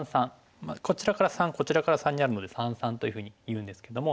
こちらから３こちらから３にあるので「三々」というふうにいうんですけども。